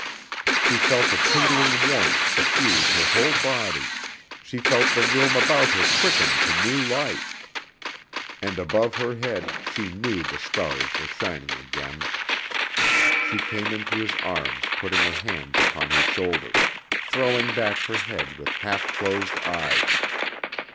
She felt a tingling warmth suffuse her whole body; she felt the room about her quicken to new life; and above her head she knew the stars were shining again. She came into his arms putting her hands upon his shoulder, throwing back her head with half closed eyes.